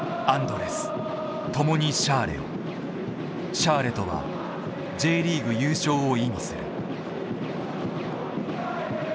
シャーレとはＪリーグ優勝を意味する。